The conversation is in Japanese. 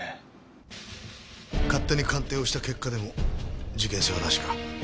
勝手に鑑定をした結果でも事件性はなしか。